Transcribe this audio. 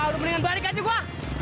lo mendingan gue adik aja gue